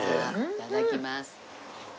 いただきます。